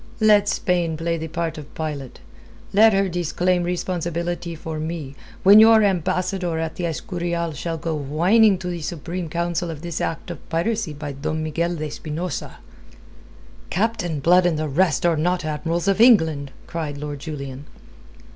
"Let Spain play the part of Pilate. Let her disclaim responsibility for me, when your ambassador at the Escurial shall go whining to the Supreme Council of this act of piracy by Don Miguel de Espinosa." "Captain Blood and the rest are not admirals of England!" cried Lord Julian.